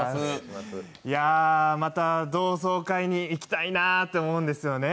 また同窓会に行きたいなって思うんですよね。